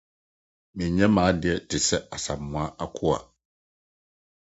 Menyɛ m'ade te sɛ Asamoah akoa.